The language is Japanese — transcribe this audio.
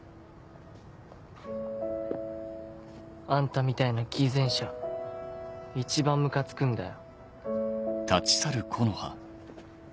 あんたみたいな偽善者一番ムカつくんだよ。